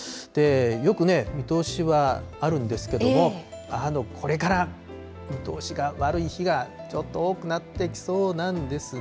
よくね、見通しはあるんですけれども、これから見通しが悪い日が、ちょっと多くなってきそうなんですね。